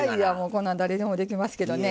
こんなん誰でもできますけどね。